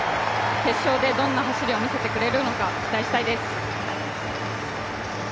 決勝でどんな走りを見せてくれるのか期待したいです。